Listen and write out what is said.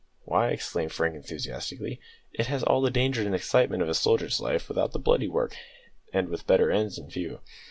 Why," exclaimed Frank enthusiastically, "it has all the danger and excitement of a soldier's life without the bloody work, and with better ends in view."